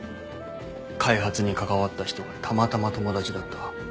開発に関わった人がたまたま友達だった。